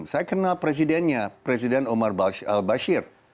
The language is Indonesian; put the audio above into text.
saya kenal presidennya presiden omar al bashir